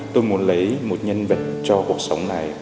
tôi muốn lấy một nhân vật cho cuộc sống này